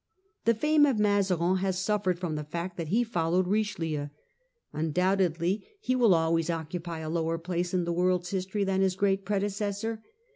The fame of Mazarin has suffered from the fact that he followed Richelieu. Undoubtedly he will always occupy a lower place in the world's history than his great predecessor.